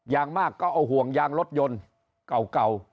อย่างมากก็เอาห่วงยางรถยนต์เก่า